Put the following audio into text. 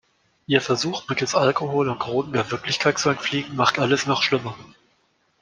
Ihr Versuch mittels Alkohol und Drogen der Wirklichkeit zu entfliehen, macht alles noch schlimmer.